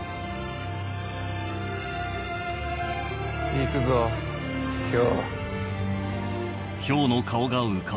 いくぞ漂。